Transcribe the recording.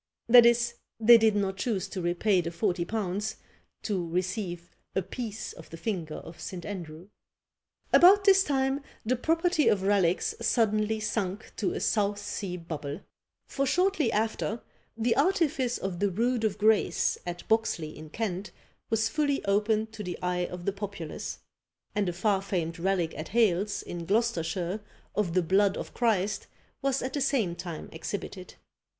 That is, they did not choose to repay the forty pounds, to receive apiece of the finger of St. Andrew. About this time the property of relics suddenly sunk to a South sea bubble; for shortly after the artifice of the Rood of Grace, at Boxley, in Kent, was fully opened to the eye of the populace; and a far famed relic at Hales, in Gloucestershire, of the blood of Christ, was at the same time exhibited.